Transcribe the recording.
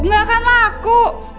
gak akan laku